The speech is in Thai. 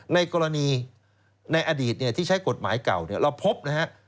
ในกรณีในอดีตเนี่ยที่ใช้กฏหมายเก่าเนี่ยเราพบนะฮะ